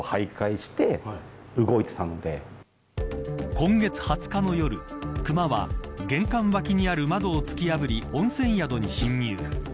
今月２０日の夜クマは玄関脇にある窓を突き破り温泉宿に侵入。